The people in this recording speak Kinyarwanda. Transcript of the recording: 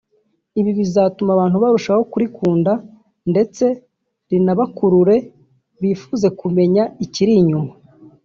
ibi bizatuma abantu barushaho kurikunda ndetse rinabakurure bifuze kumenya ikiri inyuma